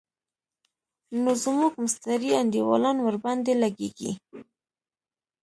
نو زموږ مستري انډيوالان ورباندې لګېږي.